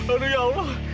aduh ya allah